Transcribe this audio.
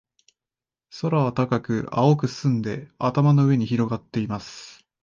空は高く、青く澄んで、頭の上に広がっています。